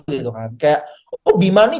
kayak oh bima nih